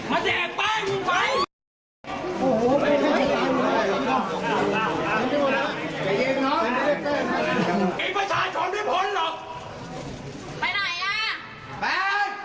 โอ๊ยมันจะแอบแป้งไฟ